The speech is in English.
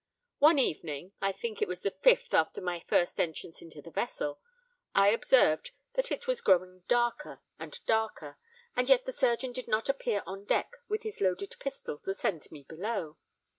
One evening—I think it was the fifth after my first entrance into the vessel—I observed that it was growing darker and darker; and yet the surgeon did not appear on deck with his loaded pistol to send me below.